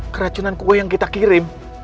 keracunan kue yang kita kirim